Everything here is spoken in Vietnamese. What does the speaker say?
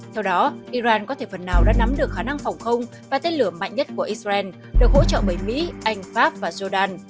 theo đó iran có thể phần nào đã nắm được khả năng phòng không và tên lửa mạnh nhất của israel được hỗ trợ bởi mỹ anh pháp và jodan